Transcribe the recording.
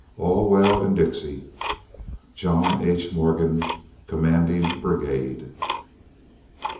All well in Dixie. JOHN H. MORGAN, Commanding Brigade.